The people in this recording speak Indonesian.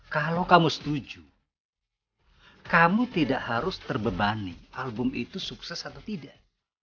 kalau kamu setuju kamu tidak harus terbebani album itu sukses atau tidak